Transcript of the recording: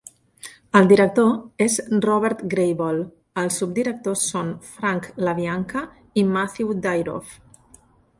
El director és Robert Grable; els subdirectors són Frank LaBianca i Matthew Dyroff.